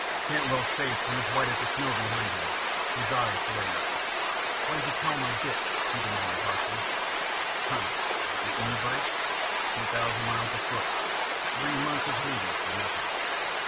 Cantwell's face went as white as the snow behind him, his eyes blazed. "Why did you tell him I bit?" he demanded harshly. "Hunh! Didn't you bite? Two thousand miles afoot; three months of Hades; for nothing.